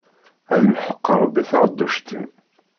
Ad imḥeq Ṛebbi taɣedduct-im!